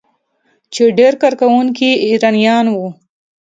چې ډیری کارکونکي یې ایرانیان وو.